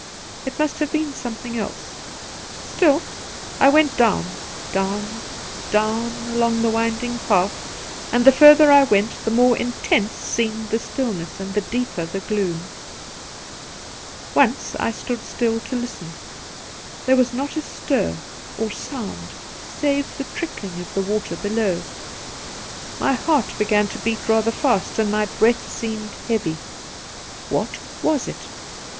It must have been something else. Still I went down, down, down, along the winding path, and the further I went the more intense seemed the still ness an4 the deeper the gloom. Once I stood still to listen ; there was not a stir or sound save the trickling of the water below. My heart began to beat rather fast, and my breath seemed heavy. What was it